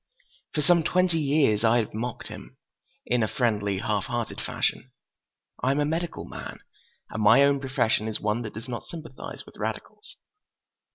For some twenty years I have mocked him, in a friendly, half hearted fashion. I am a medical man, and my own profession is one that does not sympathize with radicals.